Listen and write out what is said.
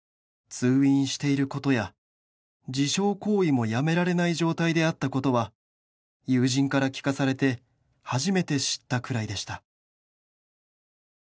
通院していることや自傷行為も辞められない状態であったことは友人から聞かされて初めて知ったくらいでした」